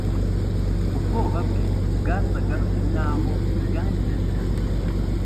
Ubwoba bwe bwasaga naho bwarangiritse